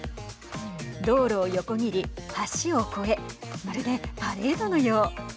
道路を横切り、橋を越えまるでパレードのよう。